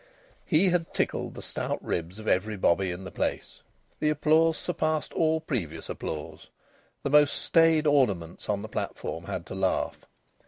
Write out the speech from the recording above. He had tickled the stout ribs of every bobby in the place. The applause surpassed all previous applause. The most staid ornaments of the platform had to laugh.